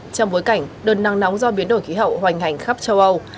trong bối cảnh đợt nắng nóng do biến đổi khí hậu hoành hành khắp châu âu